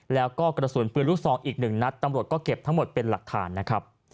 แล้วก็กระสุนปืนลูกซองอีกหนึ่งนัดตำรวจก็เก็บทั้งหมดเป็นหลักฐานนะครับ